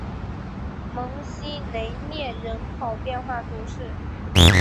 蒙西雷涅人口变化图示